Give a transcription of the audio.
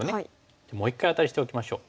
じゃあもう一回アタリしておきましょう。